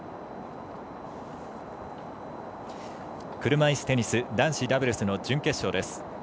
車いすテニス男子ダブルス準決勝です。